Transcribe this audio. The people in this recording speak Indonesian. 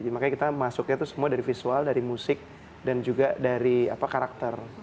makanya kita masuknya itu semua dari visual dari musik dan juga dari karakter